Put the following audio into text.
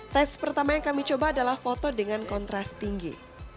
tes pertama yang kami coba adalah foto dengan kontras tinggi